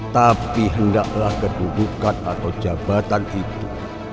tapi hendaklah kedudukan atau jabatan itu